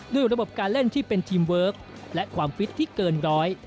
ด้วยระบบการเล่นที่เป็นทีมเวิร์คและความฟิตที่เกินร้อย